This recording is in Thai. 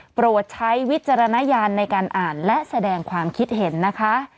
โปรดใช้วิจารณญาณในการอ่านและแสดงความคิดเห็นนะคะ